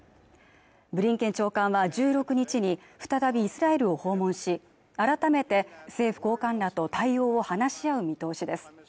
ブリンケン長官は１６日に再びイスラエルを訪問し改めて政府高官らと対応を話し合う見通しです